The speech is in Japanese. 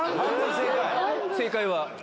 正解は。